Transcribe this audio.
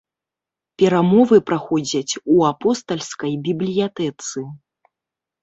Перамовы праходзяць у апостальскай бібліятэцы.